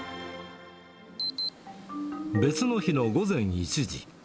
別の日の午前１時。